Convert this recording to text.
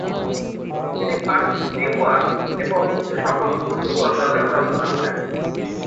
তিনি ফারসি দীউয়ান এবং কিছুসংখ্যক উর্দু গজল রচনা করেন।